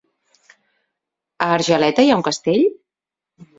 A Argeleta hi ha un castell?